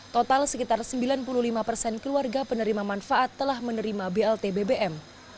total sekitar sembilan puluh lima persen keluarga penerima manfaat telah menerima blt bbm